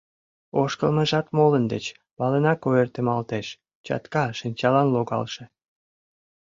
Ошкылмыжат молын деч палынак ойыртемалтеш — чатка, шинчалан логалше.